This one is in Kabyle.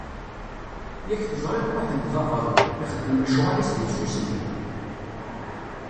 Yak teẓriḍ Muḥend d abaḍni, ixeddem lecɣal-is di tsusmi!